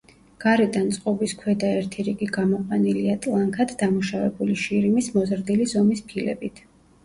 გარედან წყობის ქვედა ერთი რიგი გამოყვანილია ტლანქად დამუშავებული შირიმის მოზრდილი ზომის ფილებით.